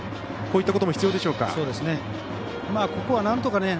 こういったことも必要でしょうか。